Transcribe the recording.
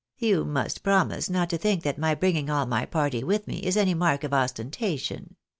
" You must promise not to think that my bringing all my party with me is any mark of ostentation.